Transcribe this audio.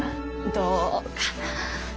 どうかなあ。